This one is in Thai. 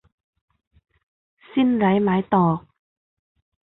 สิ้นไร้ไม้ตอก